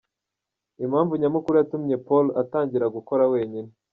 Impamvu nyamukuru yatumye Paul atangira gukora wenyine.